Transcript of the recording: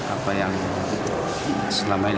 apa yang selamatnya